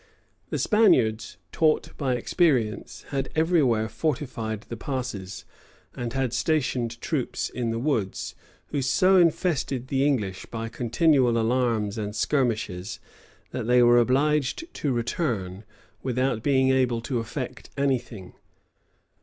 The Spaniards, taught by experience, had every where fortified the passes, and had stationed troops in the woods, who so infested the English by continual alarms and skirmishes, that they were obliged to return, without being able to effect any thing.